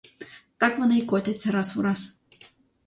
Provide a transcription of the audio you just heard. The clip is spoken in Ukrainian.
Так вони й котяться раз у раз!